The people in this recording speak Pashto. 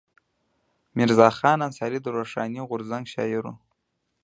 میرزا خان انصاري د روښاني غورځنګ شاعر و.